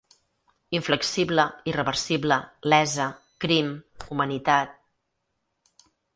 Inflexible, irreversible, lesa, crim, humanitat...